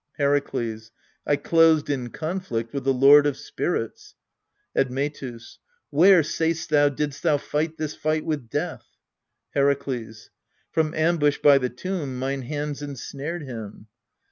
Herakles. I closed in conflict with the Lord of Spirits. Admetus. Where, sayst thou, didst thou fight this fight with Death ? Herakles. From ambush by the tomb mine hands en snared him.